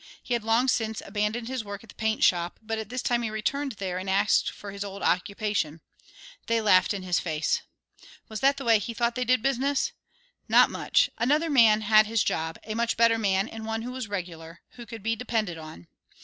He had long since abandoned his work at the paint shop, but at this time he returned there and asked for his old occupation. They laughed in his face. Was that the way he thought they did business? Not much; another man had his job, a much better man and one who was regular, who could be depended on.